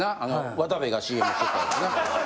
渡部がＣＭしてたやつな。